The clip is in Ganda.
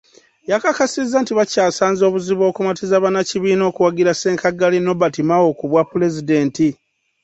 Yakakasizza nti bakyasanze obuzibu okumatiza bannakibiina okuwagira ssenkaggale Nobert Mao ku bwapulezidenti.